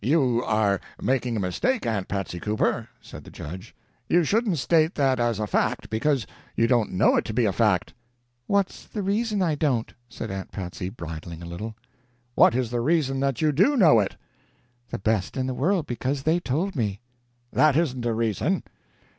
"You are making a mistake, Aunt Patsy Cooper," said the judge. "You shouldn't state that as a fact, because you don't know it to be a fact." "What's the reason I don't?" said Aunt Patsy, bridling a little. "What is the reason that you do know it?" "The best in the world because they told me." "That isn't a reason."